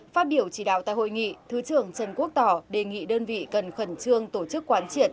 phát biểu chỉ đạo tại hội nghị thứ trưởng trần quốc tỏ đề nghị đơn vị cần khẩn trương tổ chức quán triệt